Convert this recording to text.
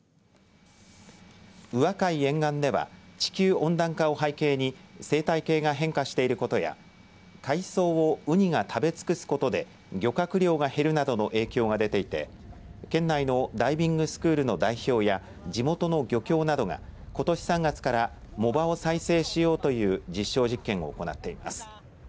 宇和海沿岸では地球温暖化を背景に生態系が変化していることや海藻をうにが食べ尽くすことで漁獲量が減るなどの影響が出ていて県内のダイビングスクールの代表や地元の漁協などがことし３月から藻場を再生しようという実証実験を行っています。